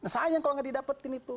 sayang kalau tidak didapatin itu